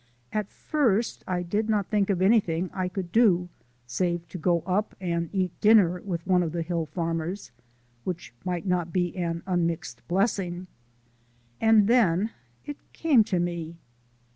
At first I did not think of anything I could do save to go up and eat dinner with one of the hill farmers, which might not be an unmixed blessing! and then it came to me.